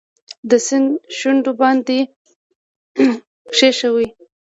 د سیند شونډو باندې کښېښوي